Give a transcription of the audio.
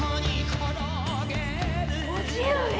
叔父上！